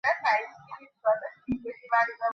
কিচ্ছু হতে দেবো না তোমার।